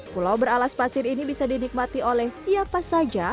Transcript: pulau beralas pasir ini bisa dinikmati oleh siapa saja